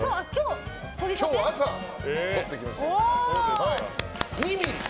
今日、朝、そってきました。